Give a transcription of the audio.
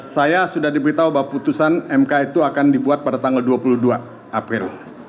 saya sudah diberitahu bahwa putusan mk itu akan dibuat pada tanggal dua puluh dua april